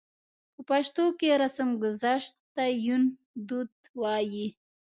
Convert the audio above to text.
په پښتو کې رسمګذشت ته يوندود وايي.